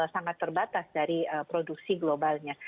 sangat terbatas dari produksi globalnya